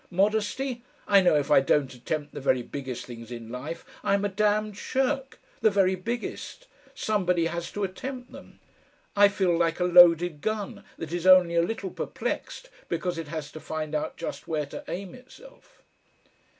Modesty! I know if I don't attempt the very biggest things in life I am a damned shirk. The very biggest! Somebody has to attempt them. I feel like a loaded gun that is only a little perplexed because it has to find out just where to aim itself...."